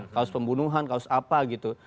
kasus pembunuhan kasus apa gitu